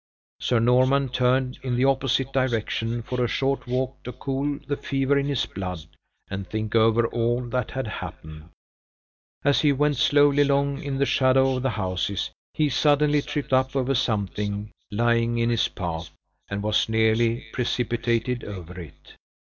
Sir Norman turned in the opposite direction for a short walk, to cool the fever in his blood, and think over all that had happened. As he went slowly along, in the shadow of the houses, he suddenly tripped up over something lying in his path, and was nearly precipitated over it.